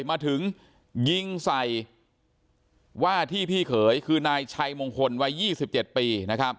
มาถึงยิงใส่ว่าที่พี่เขยคือนายชัยมงคลวัย๒๗ปี